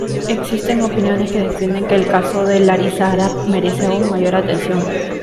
Existen opiniones que defienden que el caso de Larisa Arap merece aún mayor atención.